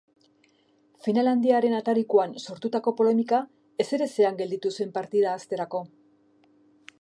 Final handiaren atarikoan sortutako polemika ezerezean gelditu zen partida hasterako.